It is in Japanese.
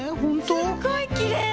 すっごいきれい！